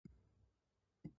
Rien d'audible